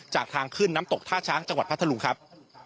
จากทางขึ้นน้ำตกท่าช้างจังหวัดพัทธลุงครับ